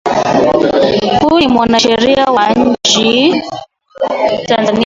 huyu ni mwanasheria nchini tanzania